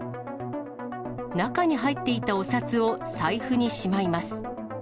中に入っていたお札を財布にしまいます。